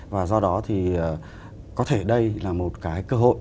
và do đó thì có thể đây là một cái cơ hội